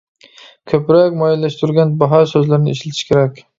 كۆپرەك مۇئەييەنلەشتۈرگەن باھا سۆزلىرىنى ئىشلىتىش كېرەك.